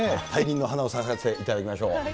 大輪の花を咲かせていただきましょう。